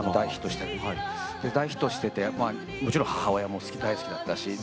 大ヒットしていてもちろん母親も大好きでした。